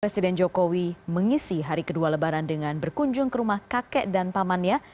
presiden jokowi mengisi hari kedua lebaran dengan berkunjung ke rumah kakek dan pamannya